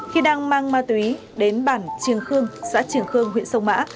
khi đang mang ma túy đến bản trường khương xã trường khương huyện sông mã